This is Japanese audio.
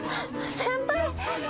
先輩！